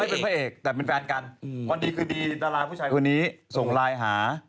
เป็นพระเอกแต่เป็นแฟนกันพอดีคือดีดาราผู้ชายคนนี้ส่งไลน์หา